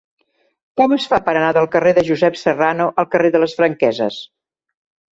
Com es fa per anar del carrer de Josep Serrano al carrer de les Franqueses?